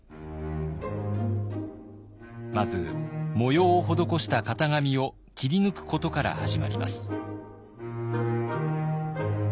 まず模様を施した型紙を切り抜くことから始まります。